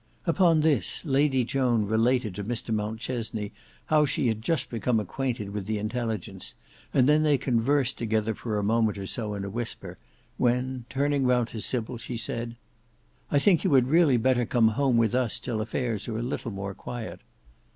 Upon this, Lady Joan related to Mr Mountchesney how she had just become acquainted with the intelligence, and then they conversed together for a moment or so in a whisper: when turning round to Sybil, she said, "I think you had really better come home with us till affairs are a little more quiet."